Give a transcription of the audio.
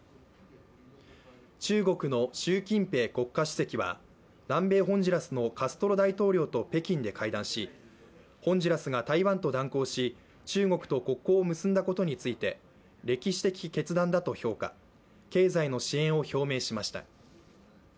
中国の習近平国家主席は南米ホンジュラスのカストロ大統領と北京で会談しホンジュラスが台湾と断交し、中国と国交を結んだことについて歴史的決断だと評価、経済の支援を表明しました。